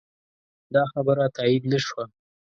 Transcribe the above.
دا خبره تایید نه شوه.